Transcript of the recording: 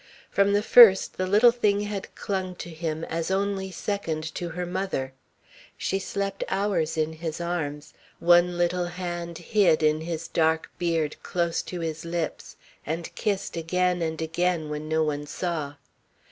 From the first, the little thing had clung to him as only second to her mother. She slept hours in his arms, one little hand hid in his dark beard, close to his lips, and kissed again and again when no one saw.